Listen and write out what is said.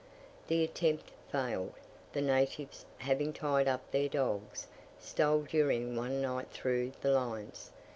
The attempt failed; the natives, having tied up their dogs, stole during one night through the lines.